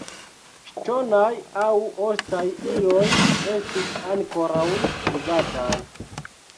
Ŝtonaj aŭ ostaj iloj estis ankoraŭ uzataj.